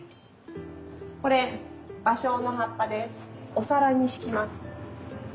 これお皿に敷きます。